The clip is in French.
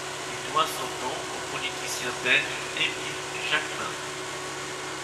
Il doit son nom au politicien belge Émile Jacqmain.